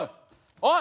おい！